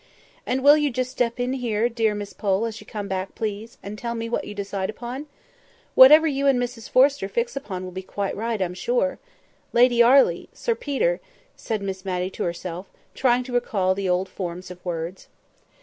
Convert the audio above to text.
"And will you just step in here, dear Miss Pole, as you come back, please, and tell me what you decide upon? Whatever you and Mrs Forrester fix upon, will be quite right, I'm sure. 'Lady Arley,' 'Sir Peter,'" said Miss Matty to herself, trying to recall the old forms of words.